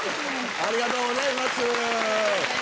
ありがとうございます。